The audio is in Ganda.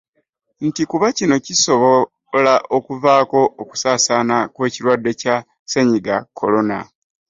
Nti kuba kino kisobola okuvaako okusaasaana kw'ekirwadde kya Ssennyiga Corona.